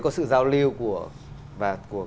có sự giao lưu của